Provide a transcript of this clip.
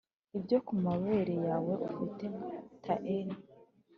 ibyo kumabere yawe ufite ta'en.